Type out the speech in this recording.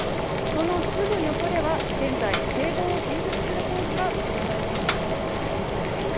そのすぐ横では現在、堤防を建設する工事が行われています。